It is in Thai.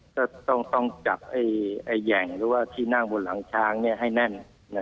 ก็ต้องจับแหย่งหรือว่าที่นั่งบนหลังช้างให้แน่น